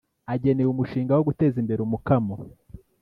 agenewe umushinga wo guteza imbere umukamo